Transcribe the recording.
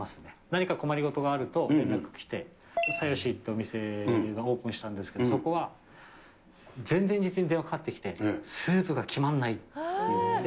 何か困りごとがあると連絡来て、佐よしっていう店がオープンしたんですけど、そこは前々日に電話かかってきて、スープが決まんないって言って。